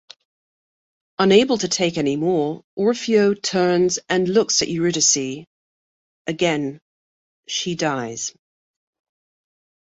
Unable to take any more, Orfeo turns and looks at Euridice; again, she dies.